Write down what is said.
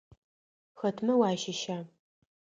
Хэтмэ уащыща?